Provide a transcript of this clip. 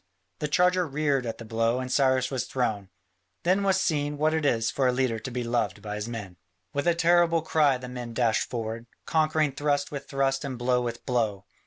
The charger reared at the blow and Cyrus was thrown. Then was seen what it is for a leader to be loved by his men. With a terrible cry the men dashed forward, conquering thrust with thrust and blow with blow.